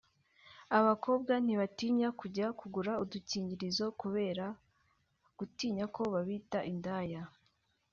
abakobwa ntibatinyuka kujya kugura udukingirizo kubera gutinya ko babita indaya